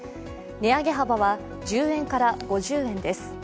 値上げ幅は１０円から５０円です。